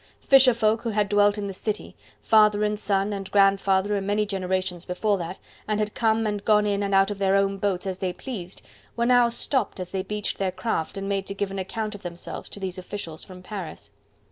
Fisher folk who had dwelt in the city father and son and grandfather and many generations before that and had come and gone in and out of their own boats as they pleased, were now stopped as they beached their craft and made to give an account of themselves to these officials from Paris.